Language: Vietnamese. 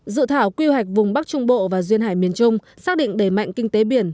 dự thảo quy hoạch vùng bắc trung bộ và duyên hải miền trung xác định đẩy mạnh kinh tế biển